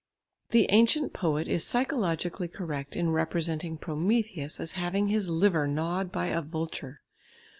The ancient poet is psychologically correct in representing Prometheus as having his liver gnawed by a vulture.